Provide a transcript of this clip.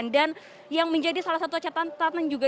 dan yang menjadi salah satu catatan juga